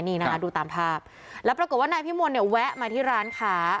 นี่นะคะดูตามภาพแล้วปรากฏว่านายพิมลเนี่ยแวะมาที่ร้านค้า